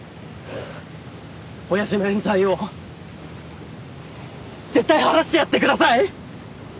親父の冤罪を絶対晴らしてやってください！